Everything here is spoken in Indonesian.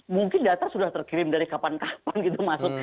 mungkin data sudah terkirim dari kapan kapan gitu masuk